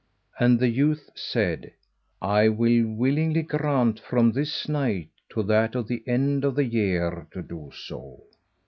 And the youth said, "I will willingly grant from this night to that at the end of the year to do so."